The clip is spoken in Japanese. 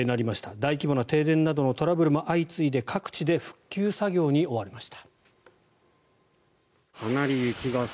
大規模な停電などのトラブルも相次いで各地で復旧作業に追われました。